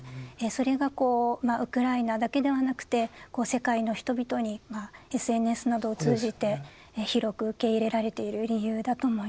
それがこうウクライナだけではなくて世界の人々にＳＮＳなどを通じて広く受け入れられている理由だと思います。